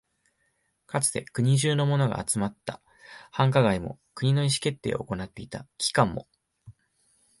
かつて国中のものが集まった繁華街も、国の意思決定を行っていた機関も、